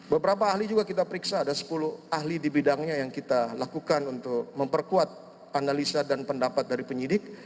beberapa ahli juga kita periksa ada sepuluh ahli di bidangnya yang kita lakukan untuk memperkuat analisa dan pendapat dari penyidik